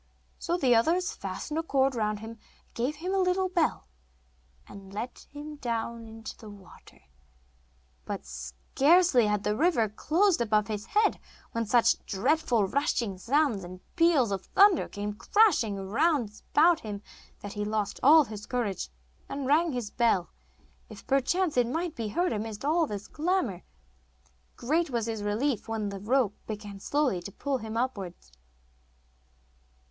So the others fastened a cord round him, and gave him a little bell, and let him down into the water. But scarcely had the river closed above his head when such dreadful rushing sounds and peals of thunder came crashing round about him that he lost all his courage, and rang his bell, if perchance it might be heard amidst all this clamour. Great was his relief when the rope began slowly to pull him upwards.